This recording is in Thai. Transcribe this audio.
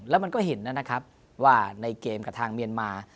แล้วมันก็เห็นนะครับว่าในเกมกับทางเมียนมา